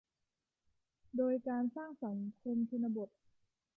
โดยการสร้างสังคมชนบท